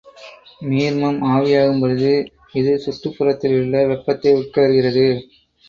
நீர்மம் ஆவியாகும்பொழுது, இது சுற்றுப் புறத்திலுள்ள வெப்பத்தை உட்கவர்கிறது.